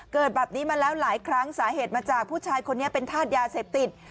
เกิดแบบนี้มาแล้วหลายครั้งสาเหตุมาจากผู้ชายคนนี้เป็นธาตุยาเสพติด